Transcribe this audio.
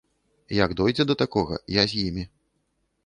Як дойдзе да такога, я з імі.